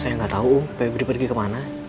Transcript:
saya gak tahu uh pebri pergi kemana